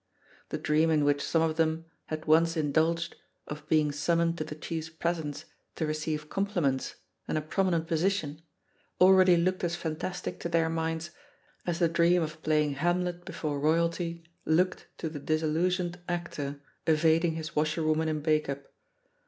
The dream in which some of them had once indulged of being summoned to the chiefs presence to receive compliments and a prominent position already looked as fantastic to their minds as the dream of playing Hamlet before Royalty looked to the disillusioned actor evading his washer .woman in Bacup.